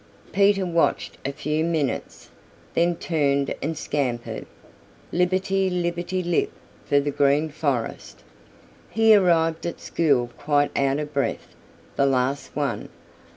Peter watched a few minutes, then turned and scampered, lipperty lipperty lip, for the Green Forest. He arrived at school quite out of breath, the last one.